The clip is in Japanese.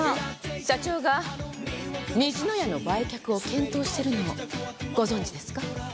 社長が虹の屋の売却を検討しているのをご存じですか？